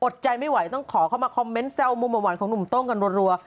ใจไม่ไหวต้องขอเข้ามาคอมเมนต์แซวมุมหวานของหนุ่มโต้งกันรัว